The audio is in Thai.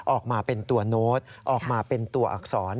ออกมาเป็นตัวโน้ตออกมาเป็นตัวอักษร